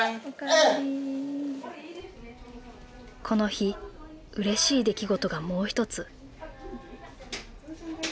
この日うれしい出来事がもう一つ。